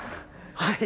はい。